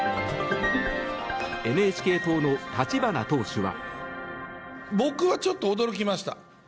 ＮＨＫ党の立花党首は。